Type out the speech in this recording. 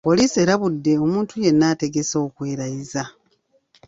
Poliisi erabudde omuntu yenna ategese okwerayiza